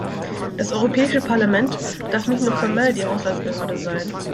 Das Europäische Parlament darf nicht nur formell die Haushaltsbehörde sein.